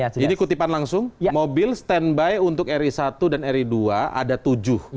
jadi kutipan langsung mobil standby untuk ri satu dan ri dua ada tujuh